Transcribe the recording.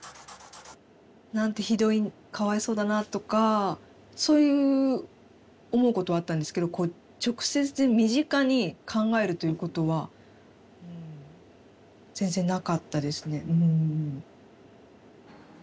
なんてひどいかわいそうだなとかそういう思うことはあったんですけどこう直接身近に考えるということはうん全然なかったですね。